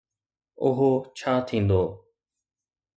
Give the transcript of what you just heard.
اهو ڇا ٿيندو؟